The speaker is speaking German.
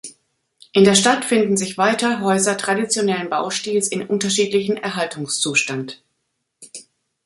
In der Stadt finden sich weiter Häuser traditionellen Baustils in unterschiedlichem Erhaltungszustand.